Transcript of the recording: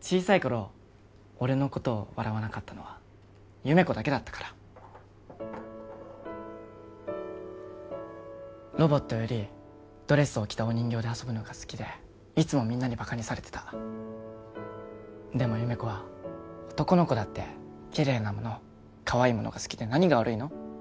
小さいころ俺のこと笑わなかったのは優芽子だけだったからロボットよりドレスを着たお人形で遊ぶのが好きでいつもみんなにバカにされてたでも優芽子は「男の子だってきれいなものかわいいものが好きで何が悪いの」